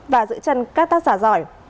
và giữ chân các tác giả giỏi